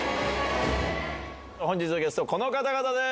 本日のゲストはこの方々です。